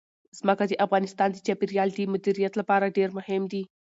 ځمکه د افغانستان د چاپیریال د مدیریت لپاره ډېر مهم دي.